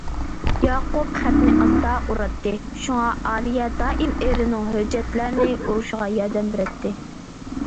ياقۇپ خەتنى ئاستا ئۇراتتى، شۇڭا ئالىيە دائىم ئېرىنىڭ ھۆججەتلەرنى ئۇرۇشىغا ياردەم بېرەتتى.